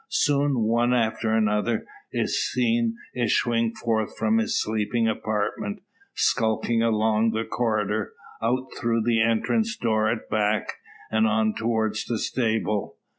Soon, one after another, is seen issuing forth from his sleeping apartment, skulking along the corridor, out through the entrance door at back, and on towards the stable.